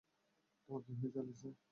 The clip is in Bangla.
তোমার কি হয়েছে, অ্যালিসিয়া?